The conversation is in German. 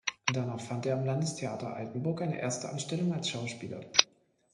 Danach fand er am Landestheater Altenburg eine erste Anstellung als Schauspieler.